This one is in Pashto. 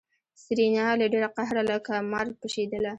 سېرېنا له ډېره قهره لکه مار پشېدله.